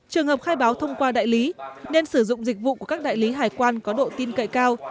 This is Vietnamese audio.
trường hợp khai báo thông qua đại lý nên sử dụng dịch vụ của các đại lý hải quan có độ tin cậy cao